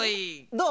どう？